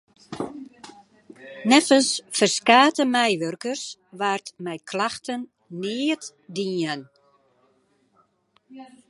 Neffens ferskate meiwurkers waard mei klachten neat dien.